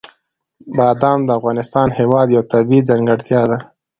بادام د افغانستان هېواد یوه طبیعي ځانګړتیا ده.